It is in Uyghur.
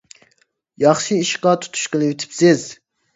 ياخشى ئىشقا تۇتۇش قىلىۋېتىپسىز.